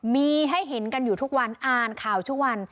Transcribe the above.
มีให้เห็นกันอยู่ทุกวันอ่านข่าวทุกวัน